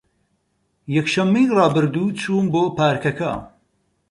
یەکشەممەی ڕابردوو چووم بۆ پارکەکە.